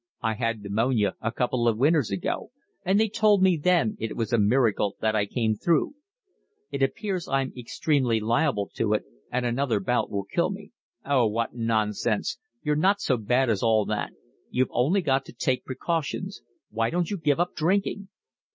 "I had pneumonia a couple of winters ago, and they told me then it was a miracle that I came through. It appears I'm extremely liable to it, and another bout will kill me." "Oh, what nonsense! You're not so bad as all that. You've only got to take precautions. Why don't you give up drinking?"